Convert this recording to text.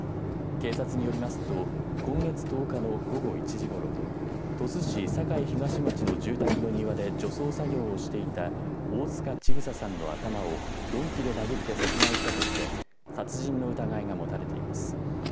警察によりますと今月１０日の午後１時ごろ鳥栖市酒井東町の住宅の庭で除草作業をしていた大塚千種さんの頭を鈍器で殴って殺害したとして殺人の疑いが持たれています。